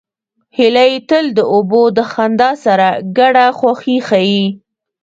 هیلۍ تل د اوبو د خندا سره ګډه خوښي ښيي